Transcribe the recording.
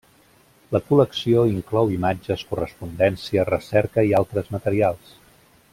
La col·lecció inclou imatges, correspondència, recerca i altres materials.